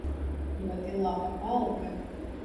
Ļoti laba alga.